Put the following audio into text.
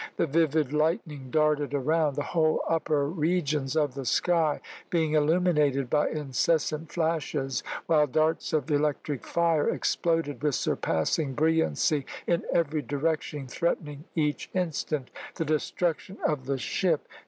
The vivid lightning darted around; the whole upper regions of the sky being illuminated by incessant flashes, while darts of electric fire exploded with surpassing brilliancy in every direction, threatening each instant the destruction of the ship.